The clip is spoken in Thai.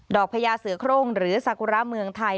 พญาเสือโครงหรือสากุระเมืองไทย